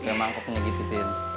kayak mangkoknya gitu tin